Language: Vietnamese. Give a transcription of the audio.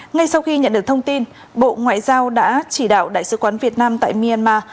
ngay sau khi nhận được thông tin bộ ngoại giao đã chỉ đạo đại sứ quán việt nam tại myanmar